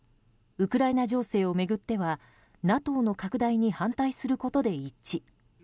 ウクライナ情勢を巡ってはＮＡＴＯの拡大に反対することで一致。